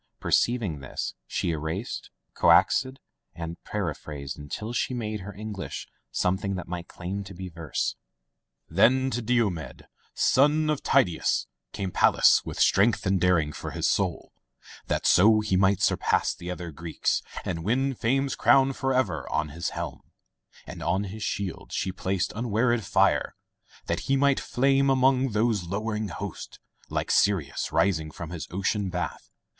Per ceiving this, she erased, coaxed, and para phrased until she made her English some thing that might claim to be verse: [ 307 ] Digitized by LjOOQ IC Interventions "Then to Diomed, son of Tydeus, came Pallas, with strength and daring for his soul, That so he might surpass the other Greeks And win Fame's crown forever. On his helm And on his shield she placed unwearied fire, That he might flame among those lowering hosts. Like Sirius rising from his ocean bath.